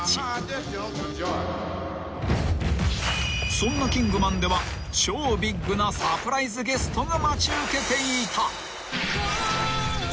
［そんなキングマンでは超ビッグなサプライズゲストが待ち受けていた］